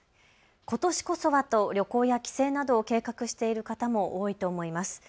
ことしこそはと旅行や帰省などを計画している方も多いと思います。